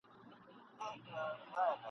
هم په اور هم په اوبو کي دي ساتمه !.